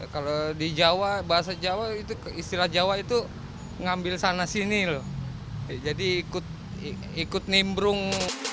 kalau di jawa bahasa jawa itu istilah jawa itu ngambil sana sini loh jadi ikut nimbrung